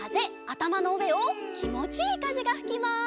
あたまのうえをきもちいいかぜがふきます。